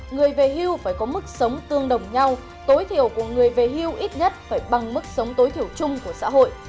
người về hưu phải có mức sống tương đồng nhau tối thiểu của người về hưu ít nhất phải bằng mức sống tối thiểu chung của xã hội